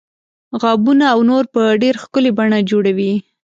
غابونه او نور په ډیره ښکلې بڼه جوړوي.